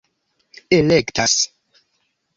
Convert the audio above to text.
elektas